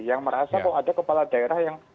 yang merasa kok ada kepala daerah yang